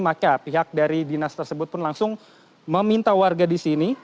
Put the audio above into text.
maka pihak dari dinas tersebut pun langsung meminta warga di sini